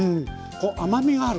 こう甘みがある。